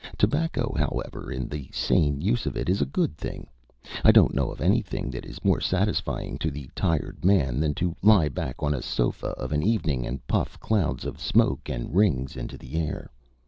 Tobacco, however, in the sane use of it, is a good thing. I don't know of anything that is more satisfying to the tired man than to lie back on a sofa, of an evening, and puff clouds of smoke and rings into the air.